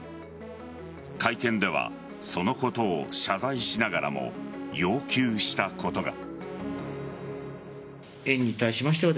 会見ではそのことを謝罪しながらも要求したことが。